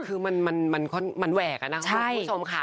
คือมันแหวกนะครับคุณผู้ชมค่ะ